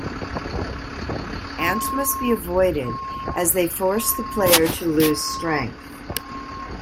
Ants must be avoided; as they force the player to lose strength.